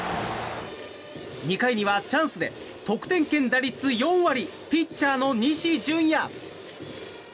２回にはチャンスで得点圏打率４割ピッチャーの西純矢。